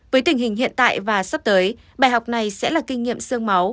với tình hình hiện tại và sắp tới bài học này sẽ là kinh nghiệm sương máu